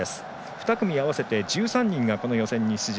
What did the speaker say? ２組合わせて１３人がこの予選に出場。